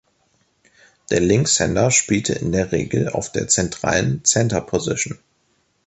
Der Linkshänder spielte in der Regel auf der zentralen Center-Position.